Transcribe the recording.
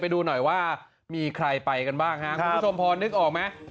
ดูหน่อยว่ามีใครไปกันบ้างฮะคุณผู้ชมพอนึกออกไหม